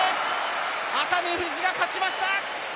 熱海富士が勝ちました。